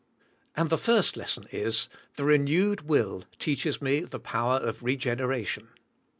And the first lesson is, the renewed will teaches me the power of regeneration.